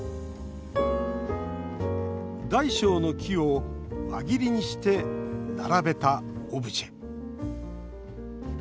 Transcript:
大小の木を輪切りにして並べたオブジェ。